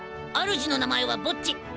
あるじの名前はボッジ。